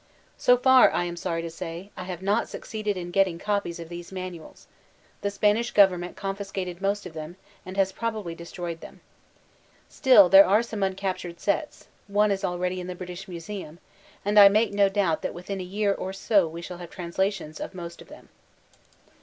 So far, I am sorry to say, I have not succeeded m get ting copies of these manuals; the Spanish government confiscated most of them, and has probably destroyed them. Still there are some uncaptured sets (one b al ready in the British Museum) and I make no doubt that within a year or so we shall have translations of most of them.